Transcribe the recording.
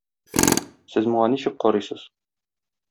Сез моңа ничек карыйсыз?